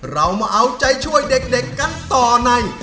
เรามาเอาใจช่วยเด็กกันต่อใน